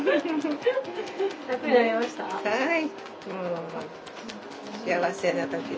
はい。